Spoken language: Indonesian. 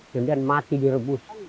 kemudian masih direbus